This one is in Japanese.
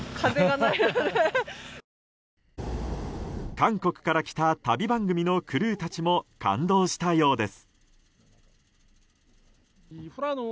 韓国から来た旅番組のクルーたちも感動したようです。